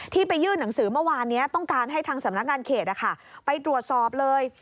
ไปยื่นหนังสือเมื่อวานนี้ต้องการให้ทางสำนักงานเขตไปตรวจสอบเลย